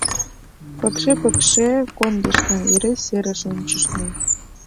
Пыкше-пыкше кондышна, эре серыш ончышна.